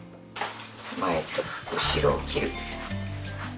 前と後ろを切る。